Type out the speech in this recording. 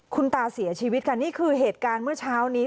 คุณตาเสียชีวิตค่ะนี่คือเหตุการณ์เมื่อเช้านี้